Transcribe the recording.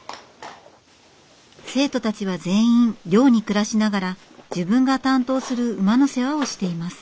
生徒たちは全員寮に暮らしながら自分が担当する馬の世話をしています。